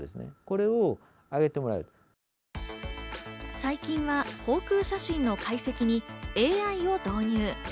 最近は航空写真の解析にＡＩを導入。